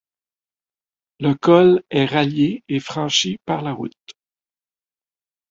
Le col est rallié et franchi par la route.